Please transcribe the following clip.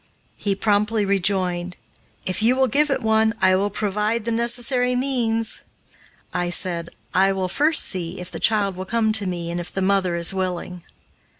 He promptly rejoined, "If you will give it one, I will provide the necessary means." I said, "I will first see if the child will come to me and if the mother is willing."